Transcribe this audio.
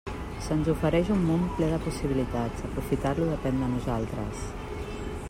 Se'ns ofereix un món ple de possibilitats; aprofitar-lo depèn de nosaltres.